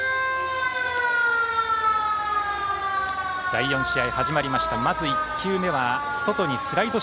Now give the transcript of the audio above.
第４試合、始まりました。